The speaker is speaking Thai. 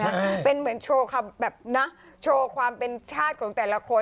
อ่าเป็นเหมือนโชว์คำแบบนะโชว์ความเป็นชาติของแต่ละคน